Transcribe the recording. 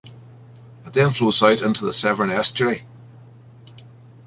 It then flows out into the Severn Estuary.